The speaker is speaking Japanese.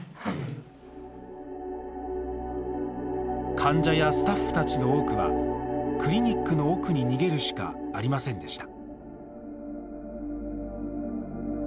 患者やスタッフたちの多くはクリニックの奥に逃げるしかありませんでした。